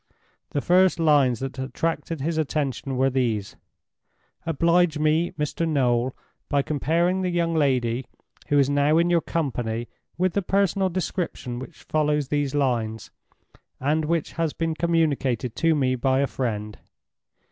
The first lines that attracted his attention were these: "Oblige me, Mr. Noel, by comparing the young lady who is now in your company with the personal description which follows these lines, and which has been communicated to me by a friend.